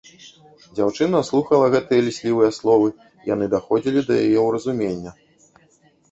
Дзяўчына слухала гэтыя ліслівыя словы, яны даходзілі да яе ўразумення.